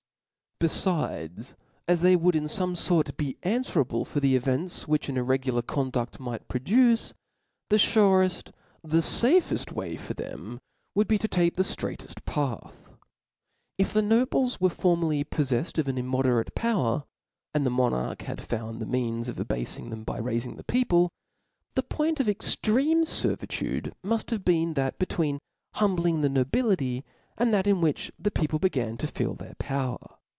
Befides, as they would in fotne fort be anfwer^ able for the events which an irregular conduct might produce, the furefl:, the fafeft way for them» would be to take the ftraightefl: path. If the nobles were formerly poflcflcd of an im moderate power, and the monarch had found the ^ means of abating them by raifing the people ; the point of extreme fervitude muft have been that between humbling the nobility,* and that in which the people began to feel their power.